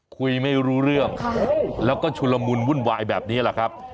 คุยไม่รู้เรื่องแล้วก็ชุลมุนวุ่นวายแบบนี้แหละครับ